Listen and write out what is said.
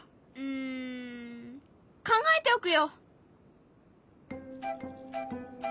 ん考えておくよ！